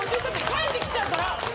帰ってきちゃうから。